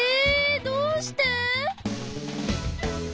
どうして？